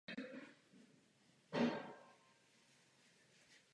Zde se nachází i výstavní sál a skleníky.